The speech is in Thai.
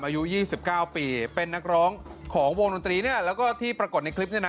อายุ๒๙ปีเป็นนักร้องของวงดนตรีเนี่ยแล้วก็ที่ปรากฏในคลิปเนี่ยนะ